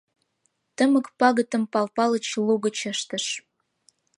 Тымык пагытым Пал Палыч лугыч ыштыш.